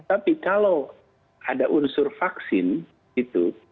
tapi kalau ada unsur vaksin itu